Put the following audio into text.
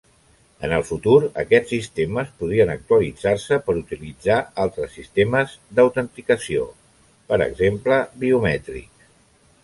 En el futur, aquests sistemes podrien actualitzar-se per utilitzar altres sistemes d'autenticació, per exemple biomètrics.